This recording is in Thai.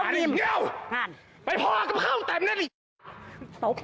ตีดิบ